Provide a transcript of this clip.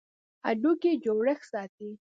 هډوکي جوړښت ساتي.